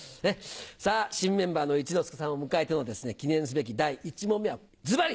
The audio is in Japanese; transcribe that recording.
さあ、新メンバーの一之輔さんを迎えての記念すべき第１問目は、ずばり、